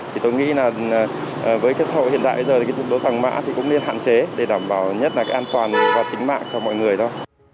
thì tôi nghĩ là với cái xã hội hiện đại bây giờ thì cái tục đốt vàng mã thì cũng nên hạn chế để đảm bảo nhất là cái an toàn và tính mạng cho mọi người thôi